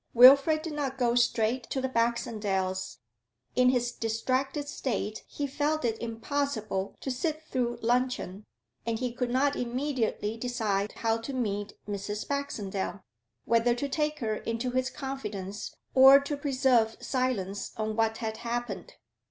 Wilfrid did not go straight to the Baxendales'. In his distracted state he felt it impossible to sit through luncheon, and he could not immediately decide how to meet Mrs. Baxendale, whether to take her into his confidence or to preserve silence on what had happened.